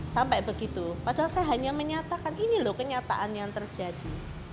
sampai begitu padahal saya hanya menyatakan ini loh kenyataan yang terjadi